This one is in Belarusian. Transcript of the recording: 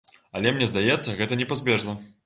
Але мне здаецца, гэта непазбежна.